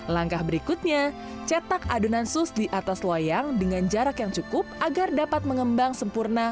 langkah berikutnya cetak adonan sus di atas loyang dengan jarak yang cukup agar dapat mengembang sempurna